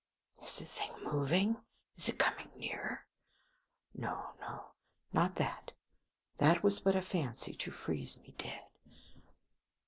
... Is the thing moving? Is it coming nearer? No, no; not that, that was but a fancy to freeze me dead.